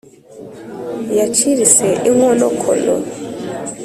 yacirse inkonokono